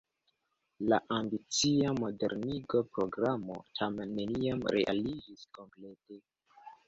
La ambicia modernigo-programo tamen neniam realiĝis komplete.